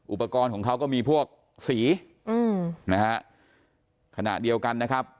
อุปกรณ์ของเขาก็มีพวกสีอืมนะฮะขณะเดียวกันนะครับ